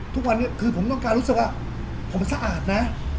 ทุกวันนี้คือผมต้องการรู้สึกว่าผมสะอาดนะ